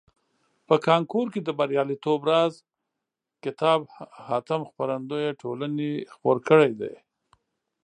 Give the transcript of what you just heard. په کانکور کې د بریالیتوب راز کتاب حاتم خپرندویه ټولني خپور کړیده.